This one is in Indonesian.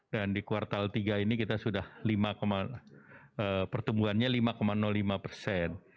dan di kuartal tiga ini kita sudah pertumbuhannya lima lima persen